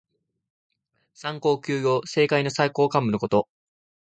三公九卿。政界の最高幹部のこと。